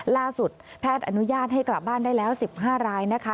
แพทย์อนุญาตให้กลับบ้านได้แล้ว๑๕รายนะคะ